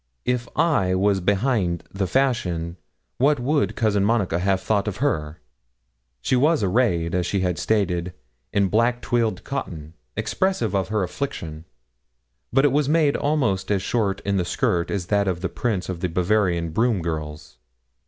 If I was behind the fashion, what would Cousin Monica have thought of her? She was arrayed, as she had stated, in black twilled cotton expressive of her affliction; but it was made almost as short in the skirt as that of the prints of the Bavarian broom girls.